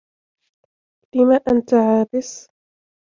لم أنت عابس؟